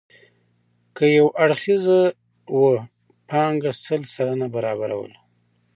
که یو اړخیزه وه پانګه سل سلنه برابروله.